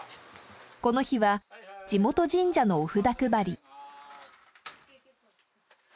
この日は地元神社のお札配り。